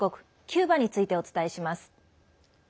キューバについてお伝えします。